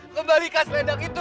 kemarikan selendang itu